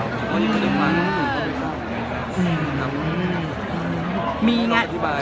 เพราะยังไม่ได้มากน้องโบว์โดนก็ไม่ครับยังไม่ครับ